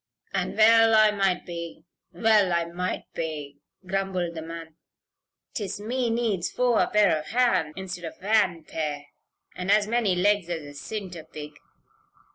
"And well I might be well I might be," grumbled the man. "'Tis me needs fower pair of hands, instead of wan pair, and as many legs as a cinterpig."